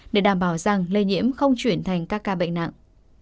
để đảm bảo rằng lây nhiễm không chuyển thành các ca bệnh nặng